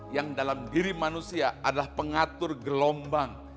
yang dalam diri manusia adalah pengatur gelombang